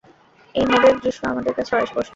এই মোড়ের দৃশ্য আমাদের কাছে অস্পষ্ট।